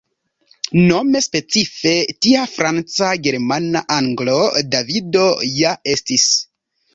Nome specife tia Franca Germana Anglo Davido ja estis.